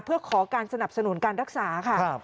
เพื่อขอการสนับสนุนการรักษาค่ะ